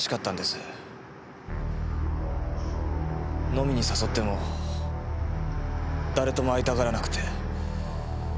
飲みに誘っても誰とも会いたがらなくて。